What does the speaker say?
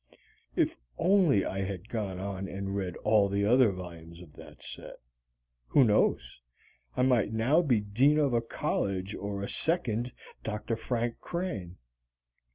If only I had gone on and read all the other volumes of the set.... Who knows? I might now be dean of a college or a second Dr. Frank Crane.